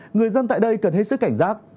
người dân tại đây cần hết sức cảnh giác